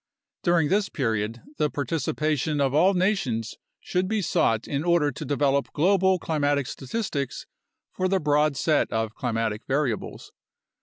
During this period, the participation of all nations should be sought in order to develop global climatic statistics for a broad set of climatic variables.